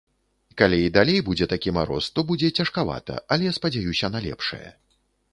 Калі і далей будзе такі мароз, то будзе цяжкавата, але спадзяюся на лепшае.